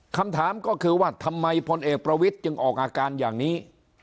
คำถามก็คือว่าทำไมพลเอกประวิทย์จึงออกอาการอย่างนี้